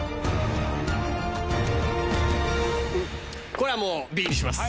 これはもうＢにします。